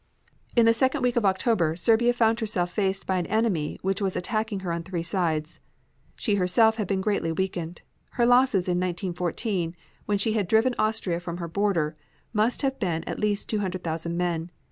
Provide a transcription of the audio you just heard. In the second week of October Serbia found herself faced by an enemy which was attacking her on three sides. She herself had been greatly weakened. Her losses in 1914, when she had driven Austria from her border, must have been at least two hundred thousand men.